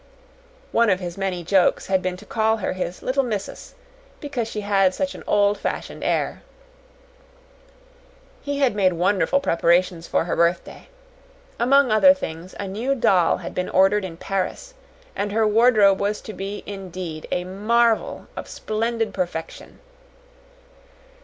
One of his many jokes had been to call her his "little missus" because she had such an old fashioned air. He had made wonderful preparations for her birthday. Among other things, a new doll had been ordered in Paris, and her wardrobe was to be, indeed, a marvel of splendid perfection.